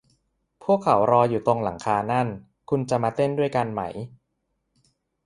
พวกเขารออยู่ตรงหลังคานั่น คุณจะมาเต้นด้วยกันไหม